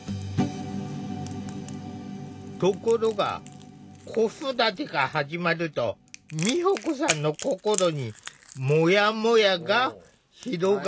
ところが子育てが始まると美保子さんの心にもやもやが広がり始めた。